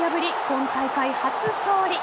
今大会初勝利。